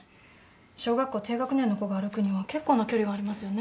小学校低学年の子が歩くには結構な距離がありますよね。